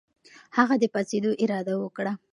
هغه د پاڅېدو اراده وکړه.